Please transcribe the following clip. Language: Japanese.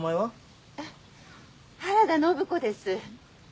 原田信子です。